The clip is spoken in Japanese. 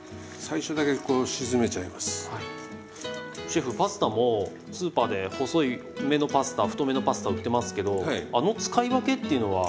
シェフパスタもスーパーで細めのパスタ太めのパスタ売ってますけどあの使い分けっていうのは？